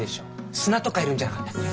砂とか要るんじゃなかったっけ？